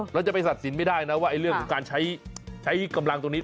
เราจะไปตัดสินไม่ได้นะว่าเรื่องของการใช้กำลังตรงนี้